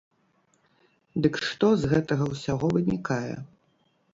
Дык што з гэтага ўсяго вынікае?